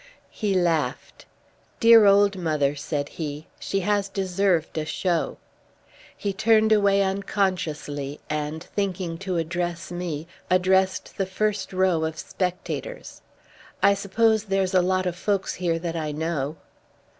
He laughed. "Dear old mother," said he. "She has deserved a show." He turned away unconsciously, and, thinking to address me, addressed the first row of spectators. "I suppose there's a lot of folks here that I know."